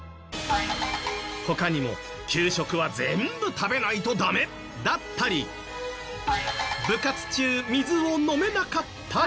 他にも給食は全部食べないとダメだったり部活中水を飲めなかったり。